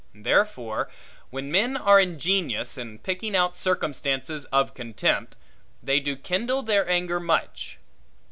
And therefore, when men are ingenious in picking out circumstances of contempt, they do kindle their anger much.